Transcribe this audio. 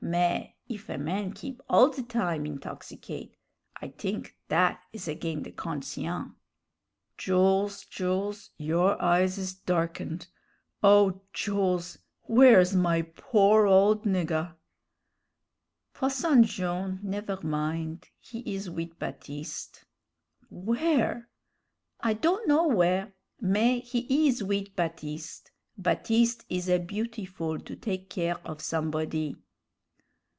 Mais, if a man keep all the time intoxicate, I think that is again' the conscien'." "Jools, Jools, your eyes is darkened oh! Jools, where's my pore old niggah?" "Posson Jone', never min'; he is wid Baptiste." "Where?" "I don' know w'ere mais he is wid Baptiste. Baptiste is a beautiful to take care of somebody."